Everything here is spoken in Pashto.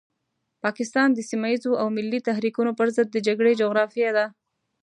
پاکستان د سيمه ييزو او ملي تحريکونو پرضد د جګړې جغرافيې ده.